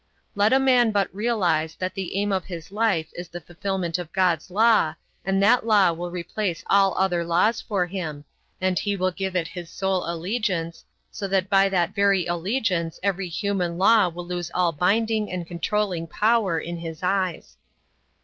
Let a man but realize that the aim of his life is the fulfillment of God's law, and that law will replace all other laws for him, and he will give it his sole allegiance, so that by that very allegiance every human law will lose all binding and controlling power in his eyes.